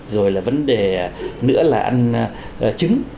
rồi là vấn đề nữa là ăn trứng